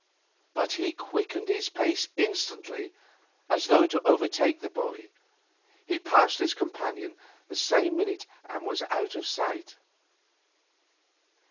But he quickened his pace instantly, as though to overtake the boy. He passed his companion the same minute, and was out of sight.